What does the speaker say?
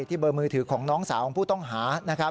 ที่เบอร์มือถือของน้องสาวของผู้ต้องหา